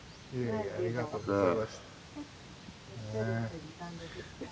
いやいやありがとうございました。